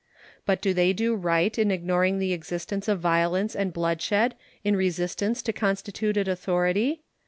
But do they do right in ignoring the existence of violence and bloodshed in resistance to constituted authority?